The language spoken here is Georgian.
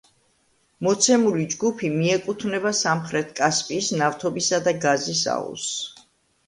მოცემული ჯგუფი მიეკუთვნება სამხრეთ კასპიის ნავთობისა და გაზის აუზს.